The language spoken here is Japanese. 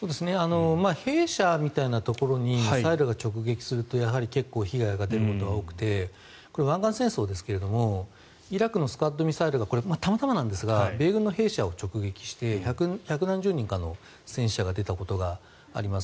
兵舎みたいなところにミサイルが直撃すると結構被害が出ることが多くてこれ、湾岸戦争ですがイラクのスカッドミサイルがたまたまなんですが米軍の兵舎を直撃して１００何十人かの戦死者が出たことがあります。